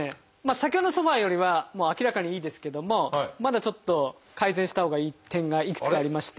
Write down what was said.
先ほどのソファーよりは明らかにいいですけどもまだちょっと改善したほうがいい点がいくつかありまして。